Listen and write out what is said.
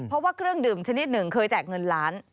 เพราะว่าเครื่องดื่มชนิดหนึ่งเคยแจกเงินล้าน